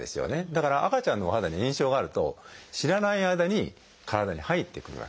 だから赤ちゃんのお肌に炎症があると知らない間に体に入ってくるわけです。